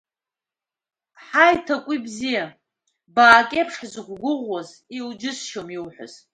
Ҳаи, Ҭакәи бзиа, баак еиԥш ҳзықәгәыӷуаз, иуџьысшьом иуҳәаз!